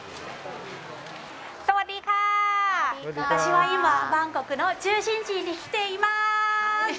私は今、バンコクの中心地に来ています。